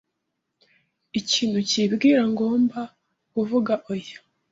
Ikintu kimbwira ngomba kuvuga oya.